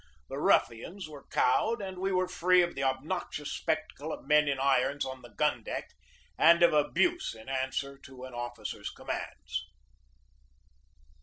The ruffians were cowed and we were free of the obnoxious spec tacle of men in irons on the gun deck and of abuse in answer to an officer's commands.